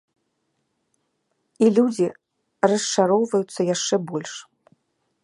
І людзі расчароўваюцца яшчэ больш.